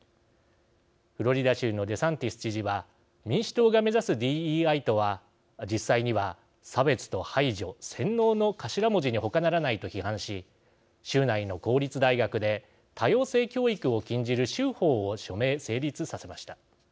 フロリダ州のデサンティス知事は民主党が目指すＤＥＩとは実際には差別と排除洗脳の頭文字にほかならないと批判し州内の公立大学で多様性教育を禁じる州法を署名・成立させました。